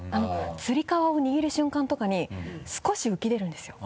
つり革を握る瞬間とかに少し浮き出るんですよ